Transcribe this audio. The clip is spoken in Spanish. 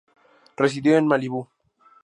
Residió en Malibú.